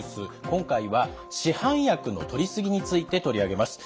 今回は市販薬のとりすぎについて取り上げます。